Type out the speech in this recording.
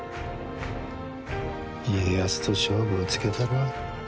家康と勝負をつけたるわ。